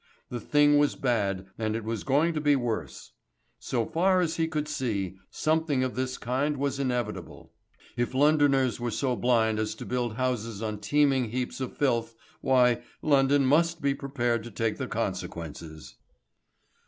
The thing was bad, and it was going to be worse. So far as he could see, something of this kind was inevitable. If Londoners were so blind as to build houses on teeming heaps of filth, why, London must be prepared to take the consequences.